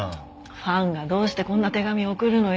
ファンがどうしてこんな手紙送るのよ？